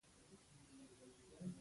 همدا د پردو مفاد منتر او جادو دی.